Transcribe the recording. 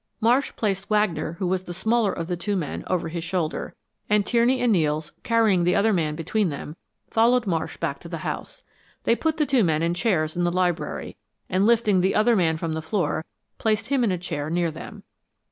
Marsh placed Wagner, who was the smaller of the two men, over his shoulder, and Tierney and Nels, carrying the other man between them, followed Marsh back to the house. They put the two men in chairs in the library, and lifting the other man from the floor placed him in a chair near them.